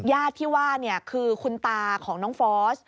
ญาติที่ว่าคือคุณตาของน้องฟอส